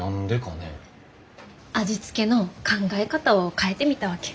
味付けの考え方を変えてみたわけ。